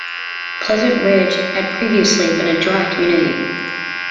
Pleasant Ridge had previously been a dry community.